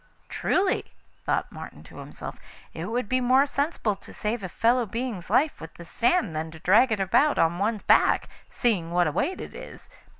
'Truly,' thought Martin to himself, 'it would be more sensible to save a fellow being's life with this sand than to drag it about on one's back, seeing what a weight it is.